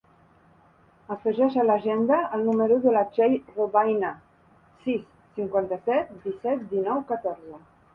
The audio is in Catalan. Afegeix a l'agenda el número de la Txell Robayna: sis, cinquanta-set, disset, dinou, catorze.